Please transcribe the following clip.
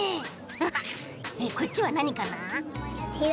ハハッこっちはなにかな？